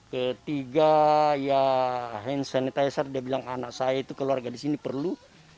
ketiga ya hand sanitizer dia bilang anak saya itu keluarga di sini perlu